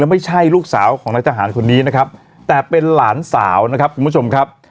ไม่ใช่ลูกสาวของนายทหารคนนี้นะครับแต่เป็นหลานสาวนะครับคุณผู้ชมครับ